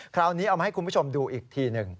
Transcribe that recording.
คราวนี้เอามาให้คุณผู้ชมดูอีกทีหนึ่ง